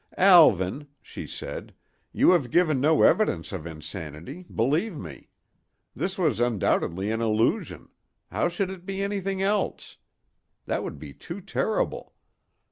"Alvan," she said, "you have given no evidence of insanity, believe me. This was undoubtedly an illusion—how should it be anything else? That would be too terrible!